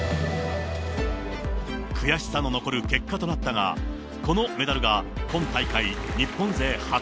悔しさの残る結果となったが、このメダルが今大会日本勢初。